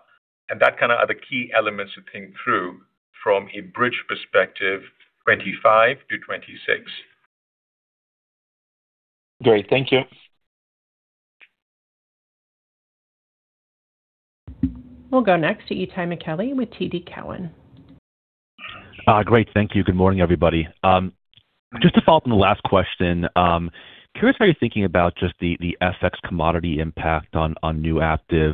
[SPEAKER 4] That kind of are the key elements to think through from a bridge perspective, 2025-2026.
[SPEAKER 7] Great. Thank you.
[SPEAKER 1] We'll go next to Itay Michaeli with TD Cowen.
[SPEAKER 8] Great. Thank you. Good morning, everybody. Just to follow up on the last question, curious how you're thinking about just the FX commodity impact on new Aptiv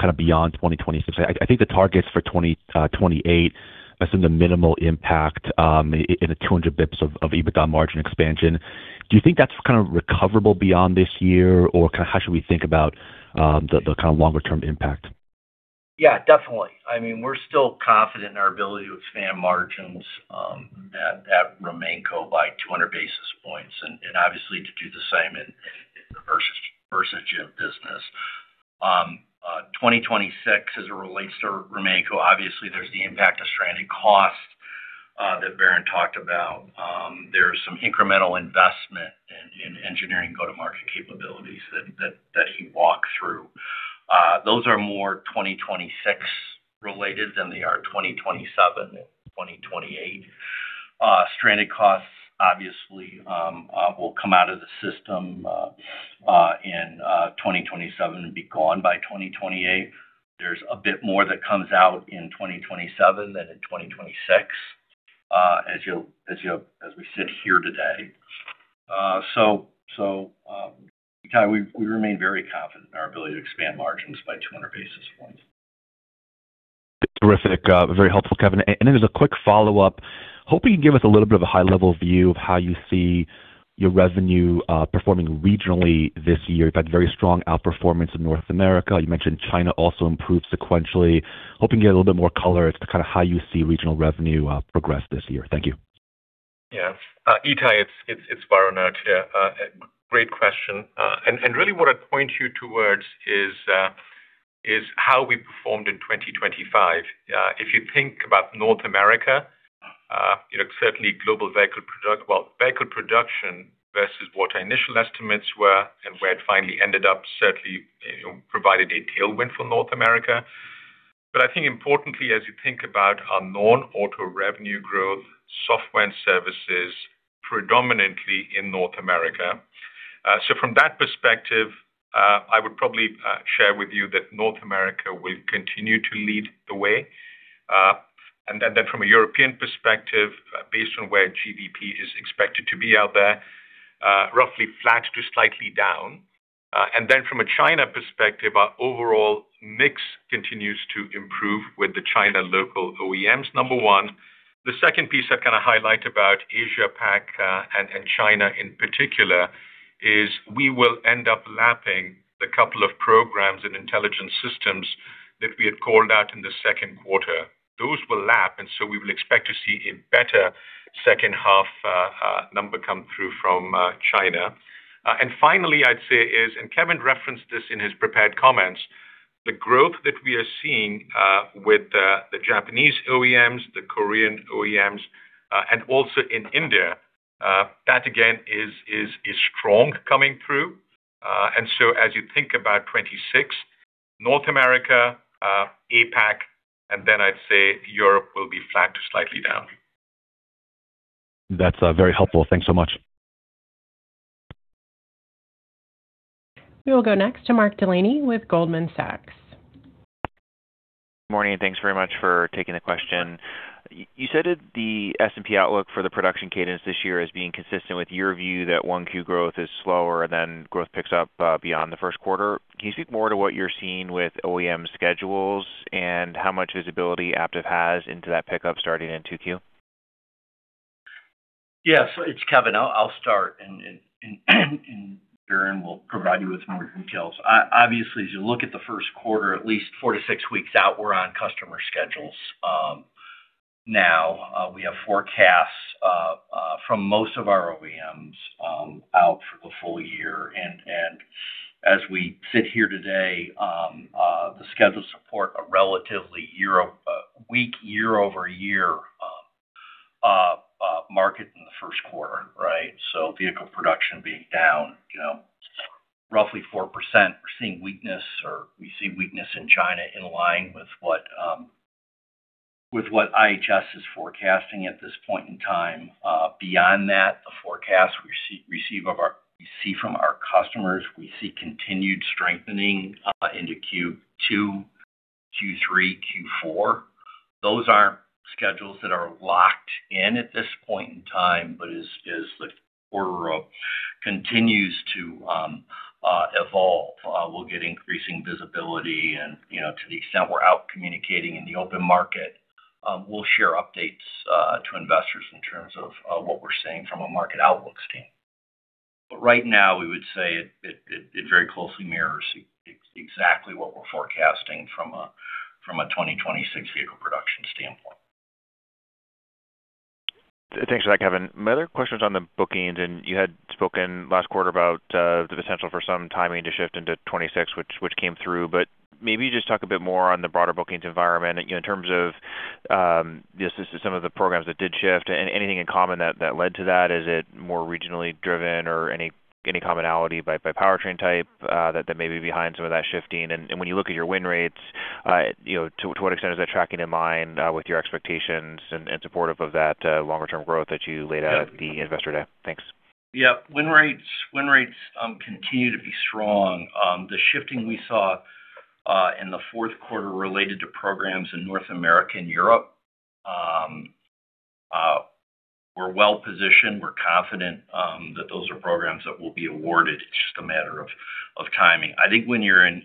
[SPEAKER 8] kind of beyond 2026. I think the targets for 2028, I assume the minimal impact in the 200 basis points of EBITDA margin expansion. Do you think that's kind of recoverable beyond this year, or kind of how should we think about the kind of longer-term impact?
[SPEAKER 3] Yeah, definitely. I mean, we're still confident in our ability to expand margins at RemainCo by 200 basis points and obviously to do the same in the VersaGen business. 2026, as it relates to RemainCo, obviously, there's the impact of stranded cost that Varun talked about. There's some incremental investment in engineering go-to-market capabilities that he walked through. Those are more 2026-related than they are 2027 and 2028. Stranded costs, obviously, will come out of the system in 2027 and be gone by 2028. There's a bit more that comes out in 2027 than in 2026 as we sit here today. So Itai, we remain very confident in our ability to expand margins by 200 basis points.
[SPEAKER 8] Terrific. Very helpful, Kevin. Then as a quick follow-up, hoping you can give us a little bit of a high-level view of how you see your revenue performing regionally this year. You've had very strong outperformance in North America. You mentioned China also improved sequentially. Hoping you get a little bit more color as to kind of how you see regional revenue progress this year. Thank you.
[SPEAKER 4] Yeah. Itai, it's Varun out here. Great question. And really what I'd point you towards is how we performed in 2025. If you think about North America, certainly global vehicle production well, vehicle production versus what our initial estimates were and where it finally ended up, certainly provided a tailwind for North America. But I think importantly, as you think about our non-auto revenue growth, software and services predominantly in North America. So from that perspective, I would probably share with you that North America will continue to lead the way. And then from a European perspective, based on where GDP is expected to be out there, roughly flat to slightly down. And then from a China perspective, our overall mix continues to improve with the China local OEMs, number one. The second piece I'd kind of highlight about Asia-Pac and China in particular is we will end up lapping the couple of programs and Intelligent Systems that we had called out in the second quarter. Those will lap. And so we will expect to see a better second-half number come through from China. And finally, I'd say is and Kevin referenced this in his prepared comments, the growth that we are seeing with the Japanese OEMs, the Korean OEMs, and also in India, that again is strong coming through. And so as you think about 2026, North America, APAC, and then I'd say Europe will be flat to slightly down.
[SPEAKER 8] That's very helpful. Thanks so much.
[SPEAKER 1] We will go next to Mark Delaney with Goldman Sachs.
[SPEAKER 9] Good morning. Thanks very much for taking the question. You cited the S&P outlook for the production cadence this year as being consistent with your view that 1Q growth is slower than growth picks up beyond the first quarter. Can you speak more to what you're seeing with OEM schedules and how much visibility APTIV has into that pickup starting in 2Q?
[SPEAKER 3] Yes. It's Kevin. I'll start, and Varun will provide you with more details. Obviously, as you look at the first quarter, at least 4-6 weeks out, we're on customer schedules now. We have forecasts from most of our OEMs out for the full year. As we sit here today, the schedules support a relatively weak year-over-year market in the first quarter, right? So vehicle production being down roughly 4%. We're seeing weakness, or we see weakness in China in line with what IHS is forecasting at this point in time. Beyond that, the forecasts we receive from our customers, we see continued strengthening into Q2, Q3, Q4. Those aren't schedules that are locked in at this point in time, but as the quarter continues to evolve, we'll get increasing visibility. To the extent we're out communicating in the open market, we'll share updates to investors in terms of what we're seeing from a market outlooks team. Right now, we would say it very closely mirrors exactly what we're forecasting from a 2026 vehicle production standpoint.
[SPEAKER 9] Thanks for that, Kevin. My other question was on the bookings. And you had spoken last quarter about the potential for some timing to shift into 2026, which came through. But maybe just talk a bit more on the broader bookings environment in terms of some of the programs that did shift. Anything in common that led to that? Is it more regionally driven, or any commonality by powertrain type that may be behind some of that shifting? And when you look at your win rates, to what extent is that tracking in line with your expectations and supportive of that longer-term growth that you laid out at the Investor Day? Thanks.
[SPEAKER 3] Yeah. Win rates continue to be strong. The shifting we saw in the fourth quarter related to programs in North America and Europe were well-positioned. We're confident that those are programs that will be awarded. It's just a matter of timing. I think when you're in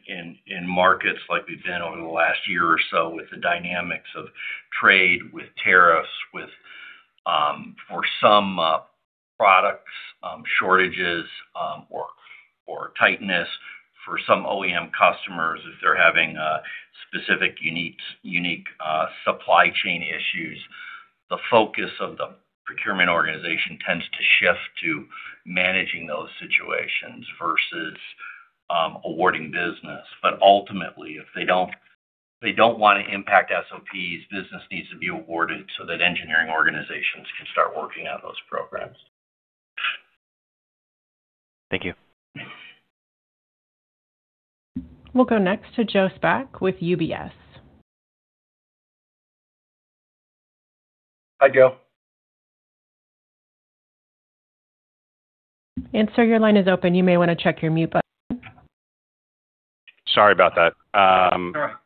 [SPEAKER 3] markets like we've been over the last year or so with the dynamics of trade, with tariffs, with for some products, shortages or tightness, for some OEM customers, if they're having specific unique supply chain issues, the focus of the procurement organization tends to shift to managing those situations versus awarding business. But ultimately, if they don't want to impact SOPs, business needs to be awarded so that engineering organizations can start working on those programs.
[SPEAKER 9] Thank you.
[SPEAKER 1] We'll go next to Joseph Spak with UBS.
[SPEAKER 10] Hi, Joe.
[SPEAKER 1] Sir, your line is open. You may want to check your mute button.
[SPEAKER 10] Sorry about that.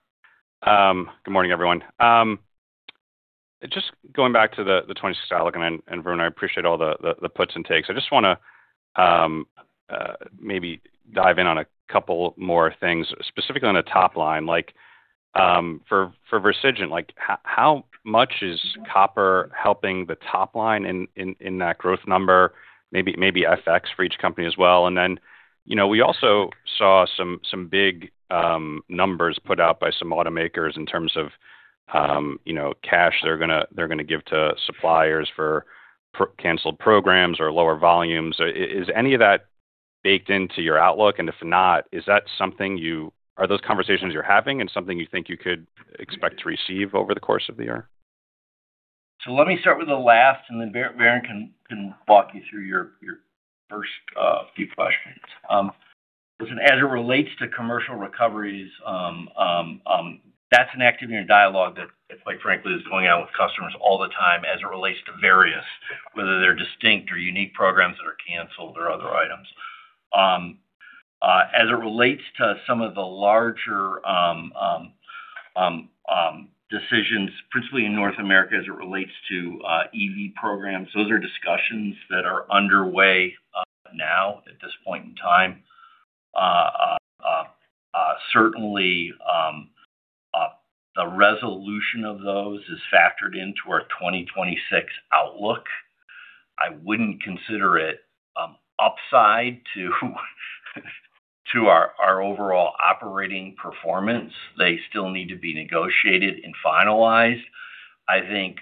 [SPEAKER 10] Good morning, everyone. Just going back to the 2026 outlook, and Varun, I appreciate all the puts and takes. I just want to maybe dive in on a couple more things, specifically on the top line. For VersaGen, how much is copper helping the top line in that growth number, maybe FX for each company as well? And then we also saw some big numbers put out by some automakers in terms of cash they're going to give to suppliers for canceled programs or lower volumes. Is any of that baked into your outlook? And if not, is that something you are those conversations you're having and something you think you could expect to receive over the course of the year?
[SPEAKER 3] Let me start with the last, and then Varun can walk you through your first few questions. Listen, as it relates to commercial recoveries, that's an activity in dialogue that, quite frankly, is going on with customers all the time as it relates to various, whether they're distinct or unique programs that are canceled or other items. As it relates to some of the larger decisions, principally in North America, as it relates to EV programs, those are discussions that are underway now at this point in time. Certainly, the resolution of those is factored into our 2026 outlook. I wouldn't consider it upside to our overall operating performance. They still need to be negotiated and finalized. I think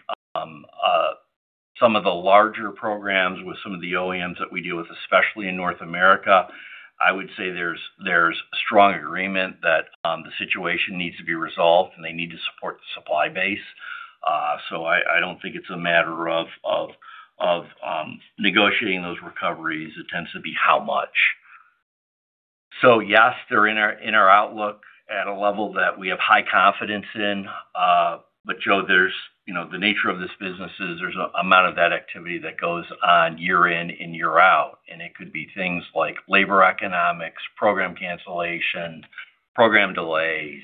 [SPEAKER 3] some of the larger programs with some of the OEMs that we deal with, especially in North America, I would say there's strong agreement that the situation needs to be resolved, and they need to support the supply base. So I don't think it's a matter of negotiating those recoveries. It tends to be how much. So yes, they're in our outlook at a level that we have high confidence in. But Joe, the nature of this business is there's an amount of that activity that goes on year in and year out. And it could be things like labor economics, program cancellation, program delays,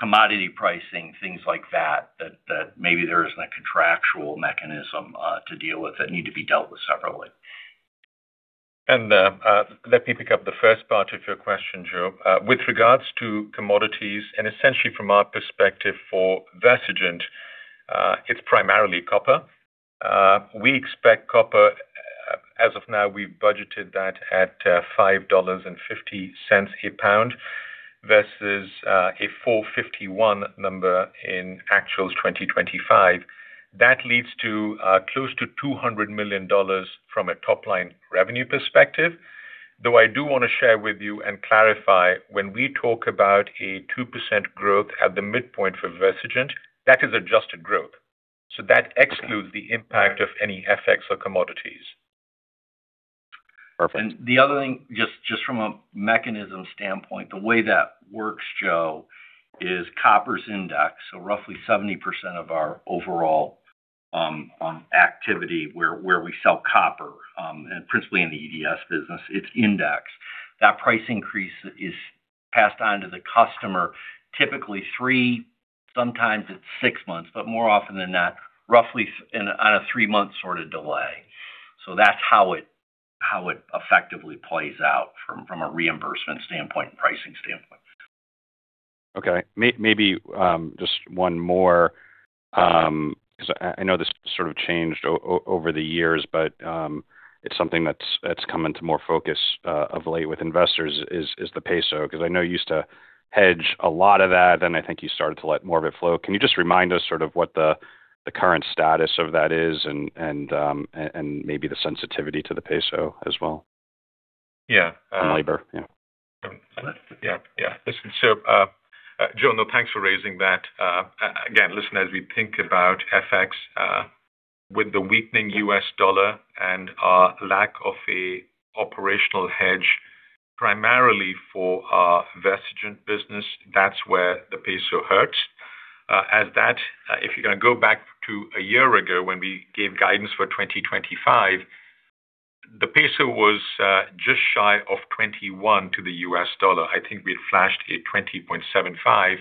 [SPEAKER 3] commodity pricing, things like that that maybe there isn't a contractual mechanism to deal with that need to be dealt with separately.
[SPEAKER 4] Let me pick up the first part of your question, Joe. With regards to commodities, and essentially from our perspective for VersaGen, it's primarily copper. We expect copper as of now; we've budgeted that at $5.50 a pound versus a $4.51 number in actuals 2025. That leads to close to $200 million from a top-line revenue perspective. Though I do want to share with you and clarify, when we talk about a 2% growth at the midpoint for VersaGen, that is adjusted growth. So that excludes the impact of any FX or commodities.
[SPEAKER 3] Perfect. And the other thing, just from a mechanism standpoint, the way that works, Joe, is copper is indexed. So roughly 70% of our overall activity where we sell copper, and principally in the EDS business, it's indexed. That price increase is passed on to the customer, typically three, sometimes it's six months, but more often than not, roughly on a three-month sort of delay. So that's how it effectively plays out from a reimbursement standpoint and pricing standpoint.
[SPEAKER 10] Okay. Maybe just one more because I know this sort of changed over the years, but it's something that's come into more focus of late with investors is the peso. Because I know you used to hedge a lot of that, then I think you started to let more of it flow. Can you just remind us sort of what the current status of that is and maybe the sensitivity to the peso as well?
[SPEAKER 5] Yeah.
[SPEAKER 10] On labor. Yeah.
[SPEAKER 3] Yeah. Yeah. Listen, Joe, no, thanks for raising that. Again, listen, as we think about FX, with the weakening US dollar and our lack of an operational hedge, primarily for our VersaGen business, that's where the peso hurts. As that if you're going to go back to a year ago when we gave guidance for 2025, the peso was just shy of 21 to the US dollar. I think we had flashed a 20.75.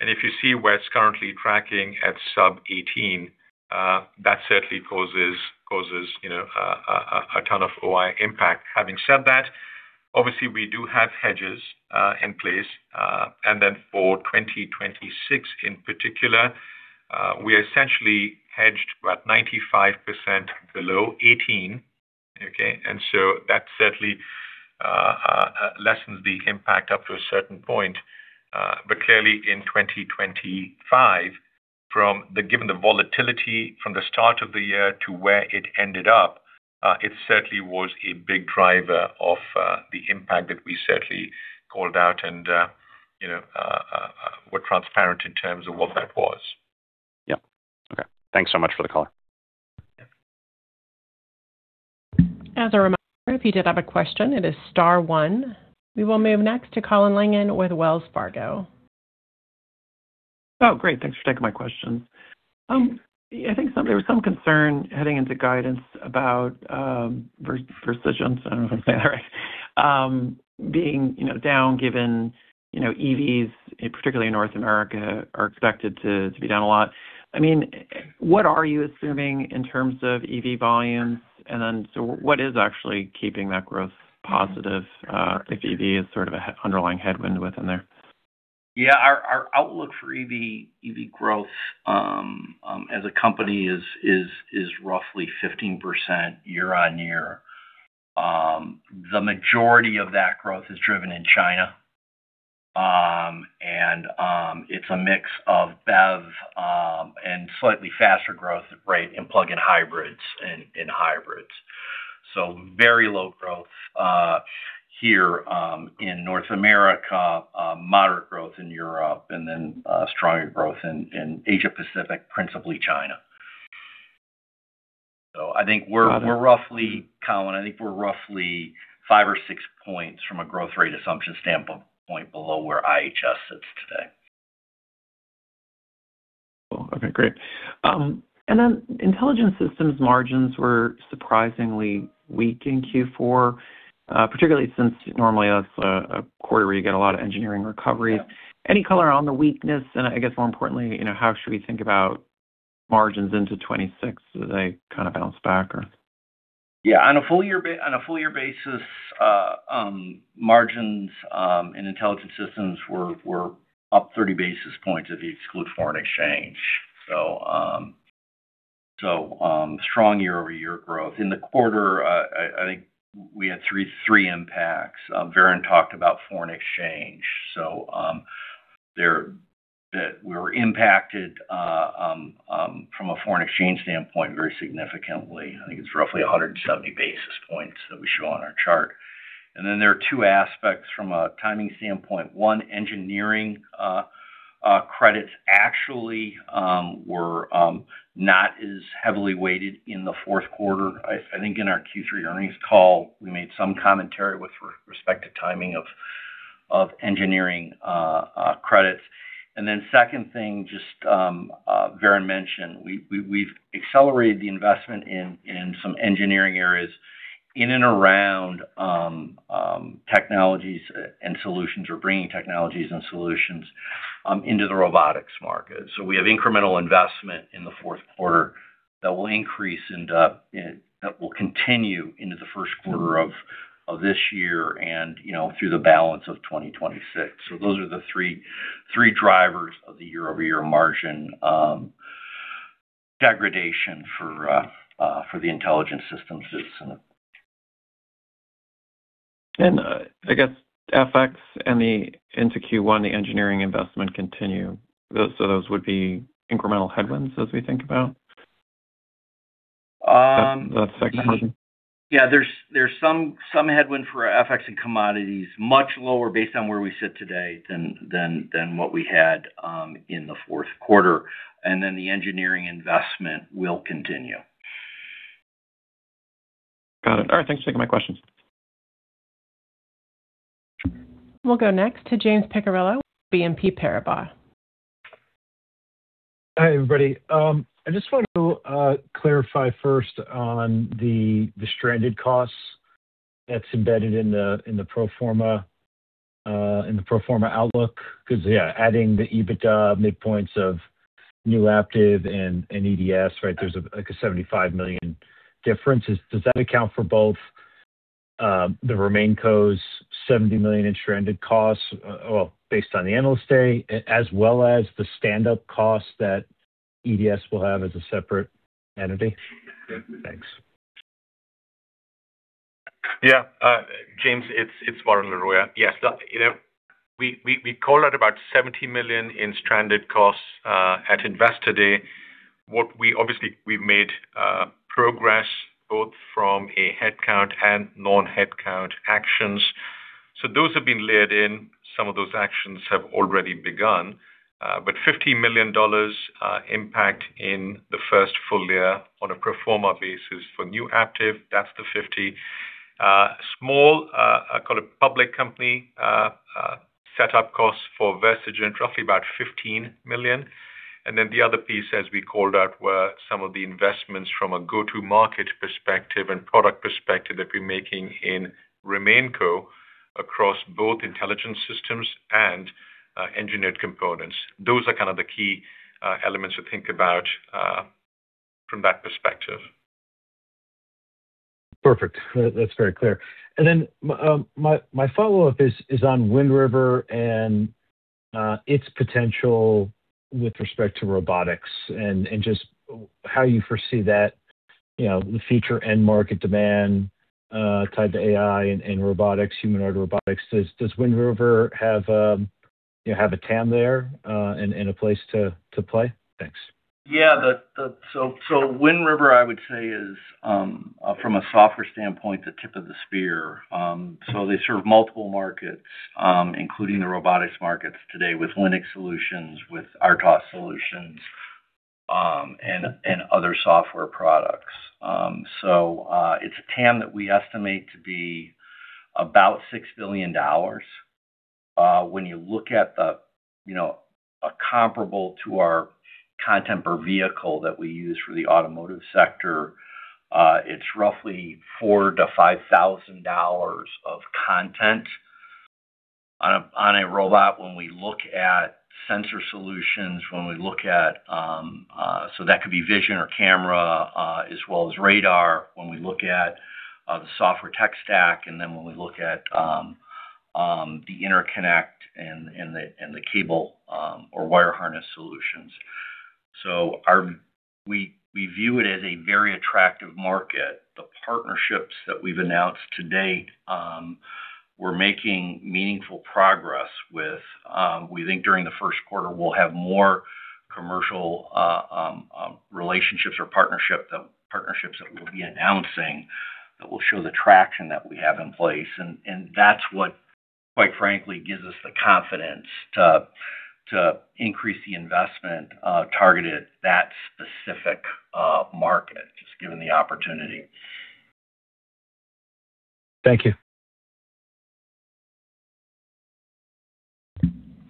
[SPEAKER 3] And if you see where it's currently tracking at sub-18, that certainly causes a ton of OI impact. Having said that, obviously, we do have hedges in place. And then for 2026 in particular, we are essentially hedged about 95% below 18, okay? And so that certainly lessens the impact up to a certain point. But clearly, in 2025, given the volatility from the start of the year to where it ended up, it certainly was a big driver of the impact that we certainly called out and were transparent in terms of what that was.
[SPEAKER 10] Yeah. Okay. Thanks so much for the call.
[SPEAKER 1] As a reminder, if you did have a question, it is star one. We will move next to Colin Langan with Wells Fargo.
[SPEAKER 11] Oh, great. Thanks for taking my question. I think there was some concern heading into guidance about Versigent - I don't know if I'm saying that right - being down given EVs, particularly in North America, are expected to be down a lot. I mean, what are you assuming in terms of EV volumes? And then so what is actually keeping that growth positive if EV is sort of an underlying headwind within there?
[SPEAKER 3] Yeah. Our outlook for EV growth as a company is roughly 15% year-over-year. The majority of that growth is driven in China. It's a mix of BEV and slightly faster growth rate in plug-in hybrids and in hybrids. Very low growth here in North America, moderate growth in Europe, and then stronger growth in Asia-Pacific, principally China. I think we're roughly Colin, I think we're roughly 5 or 6 points from a growth rate assumption standpoint below where IHS sits today.
[SPEAKER 11] Cool. Okay. Great. And then Intelligent Systems margins were surprisingly weak in Q4, particularly since normally, that's a quarter where you get a lot of engineering recoveries. Any color on the weakness? And I guess more importantly, how should we think about margins into 2026 as they kind of bounce back, or?
[SPEAKER 3] Yeah. On a full-year basis, margins in Intelligent Systems were up 30 basis points if you exclude foreign exchange. So strong year-over-year growth. In the quarter, I think we had three impacts. Varun talked about foreign exchange. So we were impacted from a foreign exchange standpoint very significantly. I think it's roughly 170 basis points that we show on our chart. And then there are two aspects from a timing standpoint. One, engineering credits actually were not as heavily weighted in the fourth quarter. I think in our Q3 earnings call, we made some commentary with respect to timing of engineering credits. And then second thing, just Varun mentioned, we've accelerated the investment in some engineering areas in and around technologies and solutions or bringing technologies and solutions into the robotics market. So we have incremental investment in the fourth quarter that will increase and that will continue into the first quarter of this year and through the balance of 2026. So those are the three drivers of the year-over-year margin degradation for the Intelligent Systems business.
[SPEAKER 11] I guess FX and into Q1, the engineering investment continue. Those would be incremental headwinds as we think about that second margin?
[SPEAKER 3] Yeah. There's some headwind for FX and commodities, much lower based on where we sit today than what we had in the fourth quarter. And then the engineering investment will continue.
[SPEAKER 11] Got it. All right. Thanks for taking my questions.
[SPEAKER 1] We'll go next to James Picariello with BNP Paribas.
[SPEAKER 12] Hi, everybody. I just want to clarify first on the stranded costs that's embedded in the pro forma outlook because, yeah, adding the EBITDA midpoints of Aptiv and EDS, right, there's a $75 million difference. Does that account for both the remaining COGS, $70 million in stranded costs, well, based on the analyst day, as well as the standup costs that EDS will have as a separate entity? Thanks.
[SPEAKER 11] Yeah. James, it's Varun Laroyia. Yes. We call out about $70 million in stranded costs at investor day. Obviously, we've made progress both from a headcount and non-headcount actions. So those have been layered in. Some of those actions have already begun. But $50 million impact in the first full year on a pro forma basis for new Aptiv, that's the 50. Small, I call it public company setup costs for VersaGen, roughly about $15 million. And then the other piece, as we called out, were some of the investments from a go-to-market perspective and product perspective that we're making in regional COE across both intelligent systems and Engineered Components. Those are kind of the key elements to think about from that perspective.
[SPEAKER 12] Perfect. That's very clear. Then my follow-up is on Wind River and its potential with respect to robotics and just how you foresee that, the future end-market demand tied to AI and robotics, humanoid robotics. Does Wind River have a TAM there and a place to play? Thanks.
[SPEAKER 3] Yeah. So Wind River, I would say, is from a software standpoint, the tip of the spear. So they serve multiple markets, including the robotics markets today with Linux solutions, with RTOS solutions, and other software products. So it's a TAM that we estimate to be about $6 billion. When you look at a comparable to our contemporary vehicle that we use for the automotive sector, it's roughly $4,000-$5,000 of content on a robot. When we look at sensor solutions, when we look at so that could be vision or camera as well as radar. When we look at the software tech stack, and then when we look at the interconnect and the cable or wire harness solutions. So we view it as a very attractive market. The partnerships that we've announced to date, we're making meaningful progress with. We think during the first quarter, we'll have more commercial relationships or partnerships that we'll be announcing that will show the traction that we have in place. And that's what, quite frankly, gives us the confidence to increase the investment targeted at that specific market, just given the opportunity.
[SPEAKER 12] Thank you.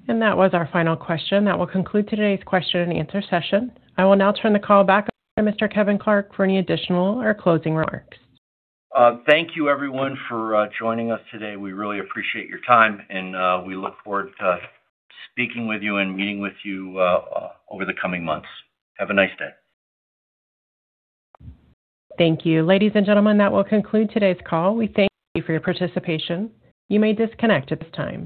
[SPEAKER 1] That was our final question. That will conclude today's question and answer session. I will now turn the call back over to Mr. Kevin Clark for any additional or closing remarks.
[SPEAKER 3] Thank you, everyone, for joining us today. We really appreciate your time. We look forward to speaking with you and meeting with you over the coming months. Have a nice day.
[SPEAKER 1] Thank you. Ladies and gentlemen, that will conclude today's call. We thank you for your participation. You may disconnect at this time.